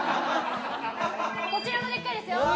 こちらもでかいですよ。